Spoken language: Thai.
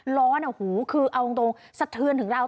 ร้อนโอ้โหคือเอาตรงสะเทือนถึงเรา